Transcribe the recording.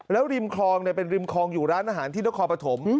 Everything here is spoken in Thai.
แล้วริมคลองเป็นริมคลองอยู่ร้านอาหารที่นครปฐม